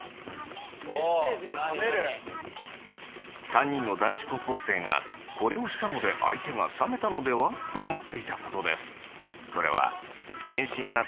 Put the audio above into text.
３人の男子高校生がこれをしたので相手が冷めたのでは？と思っていたことです。